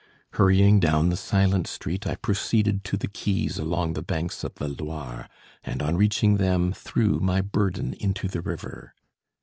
Hurrying down the silent street, I proceeded to the quays along the banks of the Loire, and, on reaching them, threw my burden into the river.